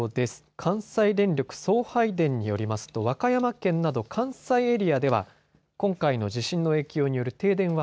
関西電力送配電によりますと和歌山県など関西エリアでは今回の地震の影響による停電は